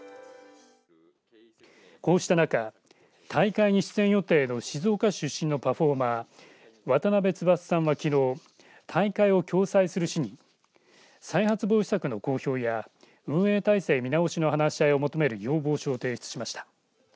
こうした中大会に出演予定の静岡市出身のパフォーマー渡邊翼さんはきのう大会を共催する市に再発防止策の公表や運営体制見直しの話し合いを求める要望書を提出しました。